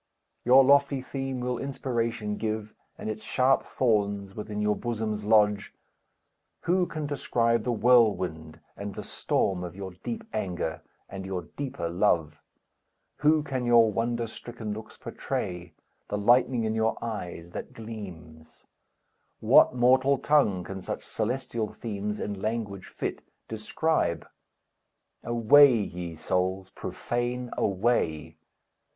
Your lofty theme will inspiration give, And its sharp thorns within your bosoms lodge. Who can describe the whirlwind and the storm Of your deep anger, and your deeper love? Who can your wonder stricken looks portray, The lightning in your eyes that gleams? What mortal tongue can such celestial themes In language fit describe? Away ye souls, profane, away!